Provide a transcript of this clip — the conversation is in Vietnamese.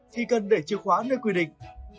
thì cần để chìa khóa nơi quy định